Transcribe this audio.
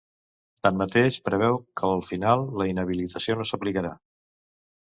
Tanmateix, preveu que al final la inhabilitació no s’aplicarà.